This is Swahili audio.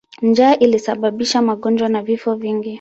Njaa ilisababisha magonjwa na vifo vingi.